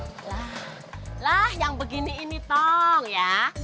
lah lah yang begini ini tong ya